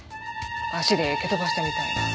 足で蹴飛ばしたみたいに。